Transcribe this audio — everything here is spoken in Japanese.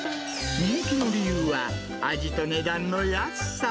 人気の理由は、味と値段の安さ。